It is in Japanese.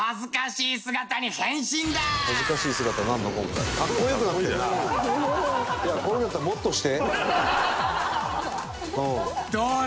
いやこういうのだったらもっとして。